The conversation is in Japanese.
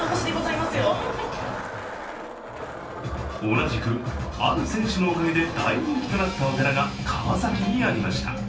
同じく、ある選手のおかげで大人気となったお寺が川崎にありました。